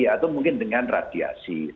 atau mungkin dengan radiasi